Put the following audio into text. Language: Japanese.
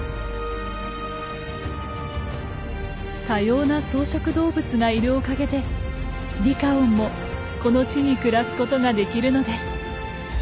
多様な草食動物がいるおかげでリカオンもこの地に暮らすことができるのです。